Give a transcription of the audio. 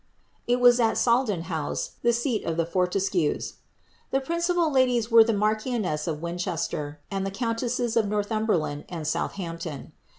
It was at Salden House, the seat of the Fortescues. The principal ladies were the marchioness of Winchester, and the countesses of Northumberland and Southampton.